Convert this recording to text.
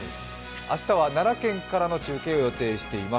明日は奈良県からの中継を予定しています。